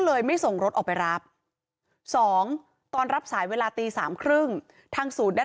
ไม่ส่งรถออกไปรับ๒ตอนรับสายเวลาตี๓๓๐ทางศูนย์ได้